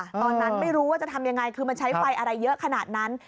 ตอนนั้นไม่รู้ว่าจะทำยังไงคือมันใช้ไฟอะไรเยอะขนาดนั้น